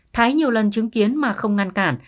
thái nhiều lần chứng kiến mà không ngăn cản